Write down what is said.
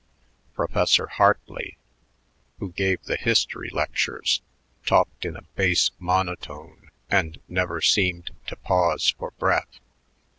Professor Hartley, who gave the history lectures, talked in a bass monotone and never seemed to pause for breath.